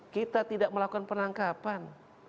kita tidak melakukan penangkapan